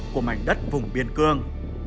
của mảnh đất vùng biên cương